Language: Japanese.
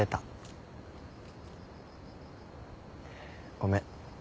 ごめん。